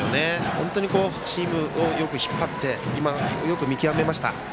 本当にチームを引っ張って今、よく見極めました。